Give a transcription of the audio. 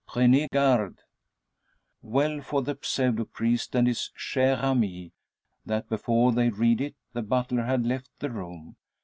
Prenez garde_!" Well for the pseudo priest, and his chere amie, that before they read it, the butler had left the room.